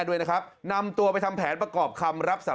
อาวาสมีการฝังมุกอาวาสมีการฝังมุกอาวาสมีการฝังมุก